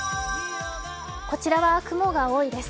こちらは雲が多いです